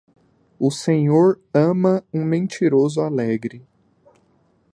O Senhor ama um mentiroso alegre.